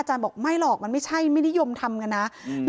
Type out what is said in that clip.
บอกไม่หรอกมันไม่ใช่ไม่นิยมทำกันนะอืม